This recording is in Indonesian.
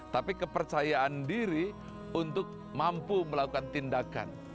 tapi kepercayaan diri untuk mampu melakukan tindakan